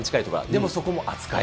でもそこも扱える。